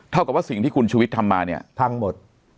เท่ากับว่าสิ่งที่คุณชุวิตทำมาเนี่ยพังหมด